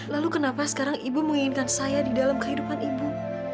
lalu kenapa sekarang ibu menginginkan saya di dalam kehidupan ibu